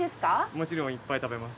もちろんいっぱい食べます。